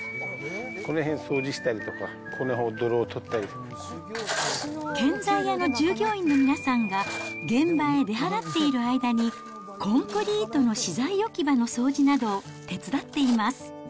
この辺掃除したりとか、建材屋の従業員の皆さんが、現場へ出払っている間に、コンクリートの資材置き場の掃除などを手伝っています。